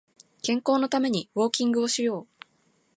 健康のためにウォーキングをしよう